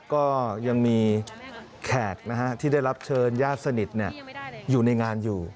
ก็ยังมีแขกที่ได้รับเชิญญาติสนิทอยู่ในงานอยู่